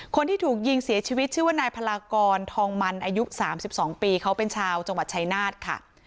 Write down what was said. คนที่ถูกยิงเสียชีวิตชื่อว่านายพลากรทองมันอายุ๓๒ปีเขาเป็นชาวจังหวัดชายนาฏค่ะ